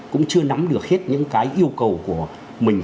cũng chưa nắm được hết những cái yêu cầu của mình